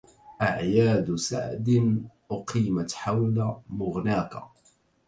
اعيادُ سعد أقيمت حول مغناكِ